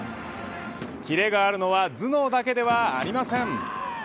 切れがあるのは頭脳だけではありません。